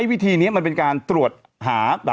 วิธีนี้มันเป็นการตรวจหา